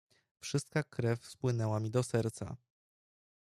"Wszystka krew spłynęła mi do serca..."